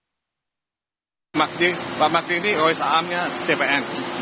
pak magdir pak magdir ini rohisaannya tpn